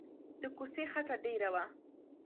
د کوڅې خټه ډېره وه.